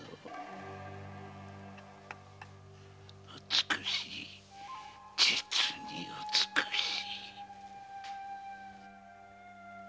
美しい実に美しい。